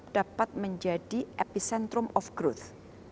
dapat menjadi epicentrum of growth